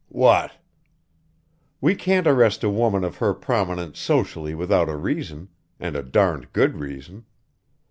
"What?" "We can't arrest a woman of her prominence socially without a reason and a darned good reason.